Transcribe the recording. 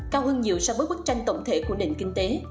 cao hơn nhiều so với bức tranh tổng thể của nền kinh tế